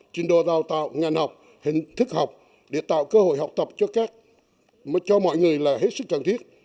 trình độ đào tạo ngành học hình thức học để tạo cơ hội học tập cho các cho mọi người là hết sức cần thiết